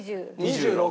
２６。